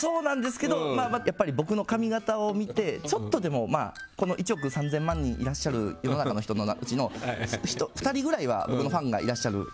やっぱり僕の髪形を見てちょっとでも１億３０００万人いらっしゃる世の中の人のうちの２人ぐらいは僕のファンがいらっしゃる。